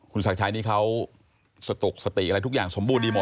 คุณศักดิ์ชัยนี่เขาสตกสติอะไรทุกอย่างสมบูรณดีหมด